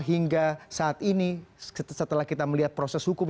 hingga saat ini setelah kita melihat proses hukum